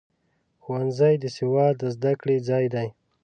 ښوونځی د سواد د زده کړې ځای دی.